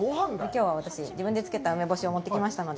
きょうは私、自分で漬けた梅干しを持ってきましたので。